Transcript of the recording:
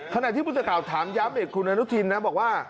ขณะที่พุทธกราบถามย้ำคุณอนุทินบอกว่า